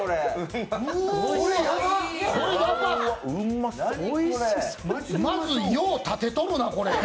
まずよう立てとるな、これ！